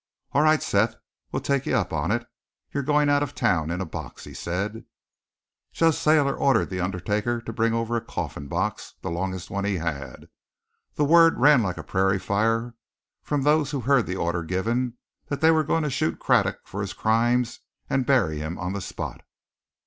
"All right, Seth, we'll take you up on it. You're going out of town in a box," he said. Judge Thayer ordered the undertaker to bring over a coffin box, the longest one he had. The word ran like a prairie fire from those who heard the order given, that they were going to shoot Craddock for his crimes and bury him on the spot.